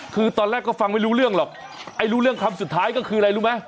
คือตอนแรกก็ฟังไม่รู้เรื่องหรอกไอ้รู้เรื่องคำสุดท้ายก็คืออะไรรู้ไหม